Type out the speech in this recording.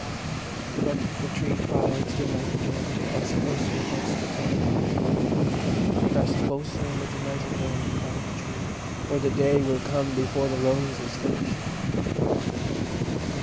But the Tree cried to the Nightingale to press closer against the thorn. "Press closer, little Nightingale," cried the Tree, "or the Day will come before the rose is finished."